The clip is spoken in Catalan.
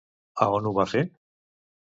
A on ho va fer?